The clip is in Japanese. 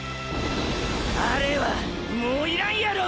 あれはもう要らんやろ！！